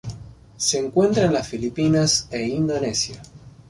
Se encuentra en las Filipinas e Indonesia.